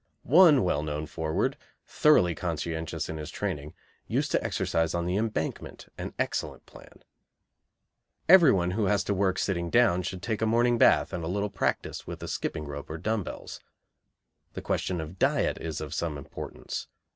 One well known forward, thoroughly conscientious in his training, used to exercise on the Embankment, an excellent plan. Everyone who has to work sitting down should take a morning bath and a little practice with a skipping rope or dumb bells. The question of diet is of some importance.